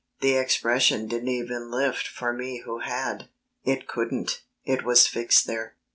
The expression didn't even lift for me who had. It couldn't, it was fixed there.